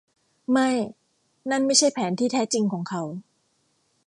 ไม่นั่นไม่ใช่แผนที่แท้จริงของเขา